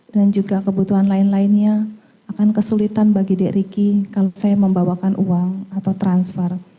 dan juga kebutuhan lain lainnya akan kesulitan bagi d ricky kalau saya membawakan uang atau transfer